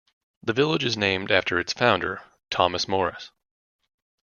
The village is named after its founder, Thomas Morris.